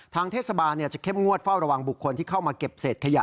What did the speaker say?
ทางเทศบาลจะเข้มงวดเฝ้าระวังบุคคลที่เข้ามาเก็บเศษขยะ